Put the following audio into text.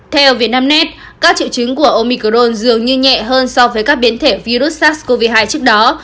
theo vietnamnet các triệu chứng của omicron dường như nhẹ hơn so với các biến thể virus sars cov hai trước đó